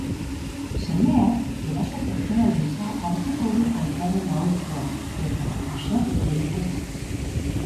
Semeak eraso pertsonal gisa hartuko du aitaren aholkua eta haserretu egingo da.